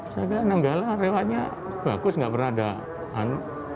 segan nanggala rewanya bagus nggak pernah ada anu